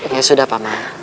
ya sudah paman